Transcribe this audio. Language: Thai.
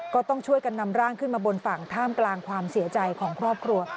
ก็ต้องช่วยกันนำร่างขึ้นมาบนฝั่งท่ามกลางความเสียใจของครอบครัว